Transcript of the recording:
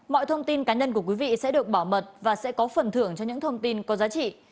mọi thông tin cá nhân của quý vị sẽ được bảo mật và sẽ có phần thưởng cho những thông tin có giá trị